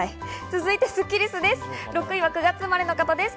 続いてスッキりすです。